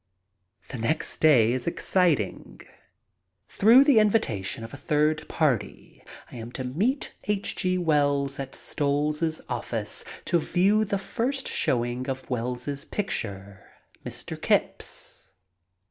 The next day is exciting. Through the invitation of a third party I am to meet H. G. Wells at Stoll's office to view the first showing of Wells's picture, "Mr. Kipps."